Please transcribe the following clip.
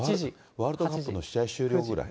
ワールドカップの試合終了ぐらい？